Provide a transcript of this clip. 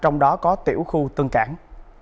trong đó có tiểu khu tân cảng